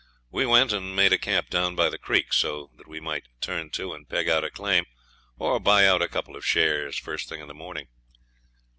We went and made a camp down by the creek, so that we might turn to and peg out a claim, or buy out a couple of shares, first thing in the morning.